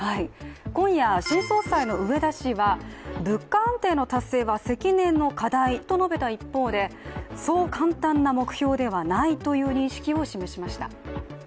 今夜、新総裁の植田氏は物価安定の達成は積年の課題と述べた一方でそう簡単な目標ではないという認識を示しました。